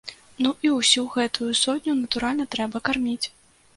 Ну і ўсю гэтую сотню, натуральна, трэба карміць.